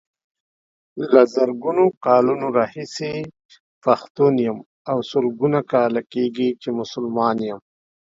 له زرګونو کلونو راهيسې پښتون يم او سلګونو کاله کيږي چې مسلمان يم.